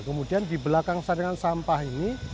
kemudian di belakang saringan sampah ini